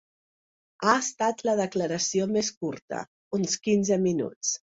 Ha estat la declaració més curta: uns quinze minuts.